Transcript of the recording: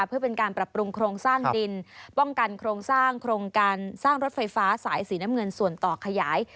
เพื่อเป็นการปรับปรุงโครงสร้างดินป้องกันโครงสร้างโครงการสร้างรถไฟฟ้าสายสีน้ำเงินส่วนต่อขยาย